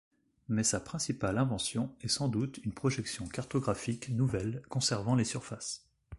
Mais sa principale invention est sans doute une projection cartographique nouvelle conservant les surfaces.